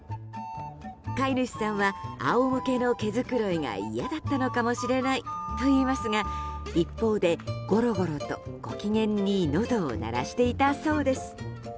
飼い主さんは仰向けの毛づくろいが嫌だったのかもしれないと言いますが一方で、ゴロゴロとご機嫌にのどを鳴らしていたそうです。